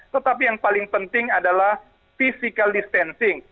tetapi yang paling penting adalah physical distancing